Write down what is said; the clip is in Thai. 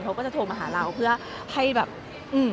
เขาก็จะโทรมาหาเราเพื่อให้ฟังพี่เมย์พูดอะไรแบบนี้นิดนึง